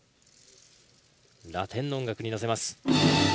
ラテンの音楽に乗せます。